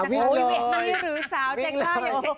วิ้งมาเลย